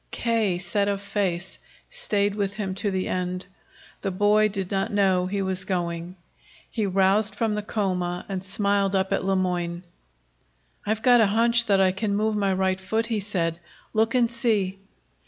K., set of face, stayed with him to the end. The boy did not know he was going. He roused from the coma and smiled up at Le Moyne. "I've got a hunch that I can move my right foot," he said. "Look and see."